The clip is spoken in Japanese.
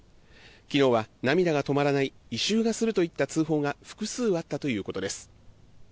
昨日は涙が止まらない異臭がするといった通報が複数あったということです。